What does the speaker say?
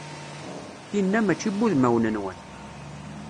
Tinna mačči n wudmawen-nwen.